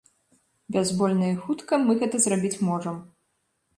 Бязбольна і хутка мы гэта зрабіць можам.